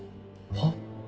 「はっ？」